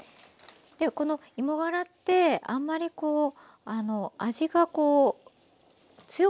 この芋がらってあんまりこう味がこう強くないんですよね。